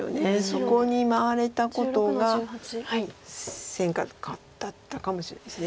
そこに回れたことが戦果だったかもしれないです。